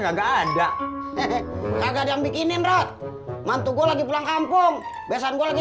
nggak ada hehehe kagak ada yang bikinin rod mantu gua lagi pulang kampung besan gua lagi